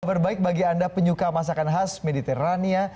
berbaik bagi anda penyuka masakan khas mediterania